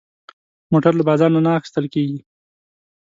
موټر له بازار نه اخېستل کېږي.